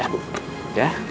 ya selamat malam